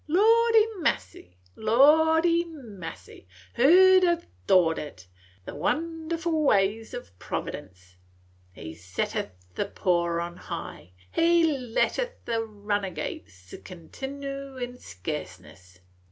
Lordy massy, lordy massy, who 'd ha' thought it? The wonderful ways of Providence! 'He setteth the poor on high, an letteth the runagates continoo in scarceness.'